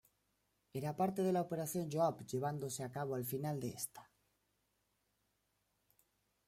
Era parte de la Operación Yoav, llevándose a cabo al final de esta.